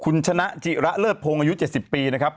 คุณชนะจิระเลิศพงศ์อายุ๗๐ปีนะครับ